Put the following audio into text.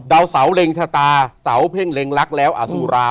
ดาวเสาเล็งชะตาเสาเพ่งเล็งรักแล้วอสุรา